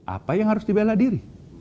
apa yang harus dibela diri